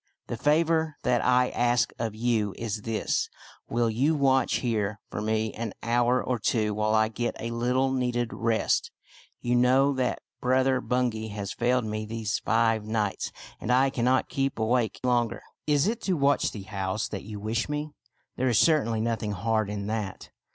The favor that I ask of you is this : Will you watch here for me for an hour or two while I get a little needed rest ? You know that Brother Bungay has failed me these five nights, and I cannot keep awake longer." " Is it to watch the house that you wish me ? There is certainly nothing hard in that.